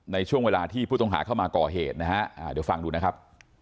ในช่วงเวลาที่ผู้ต้องหาเข้ามาก่อเหตุนะฮะเดี๋ยวฟังดูนะครับ